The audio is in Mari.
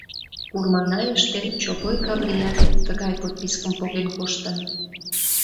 Курманайыште Чопой Каврият тыгай подпискым поген коштын.